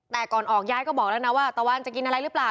แต่ก่อนออกย้ายก็บอกแล้วนะว่าตะวันจะกินอะไรหรือเปล่า